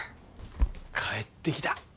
帰ってきた。